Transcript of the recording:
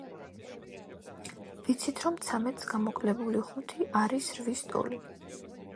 ვიცით, რომ ცამეტს გამოკლებული ხუთი არის რვის ტოლი.